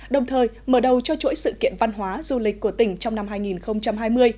đồng thời mở đầu cho chuỗi sự kiện văn hóa du lịch của tỉnh trong năm hai nghìn hai mươi